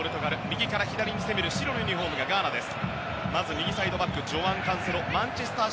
右から左に攻める白のユニホームがガーナです。